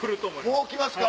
もう来ますか。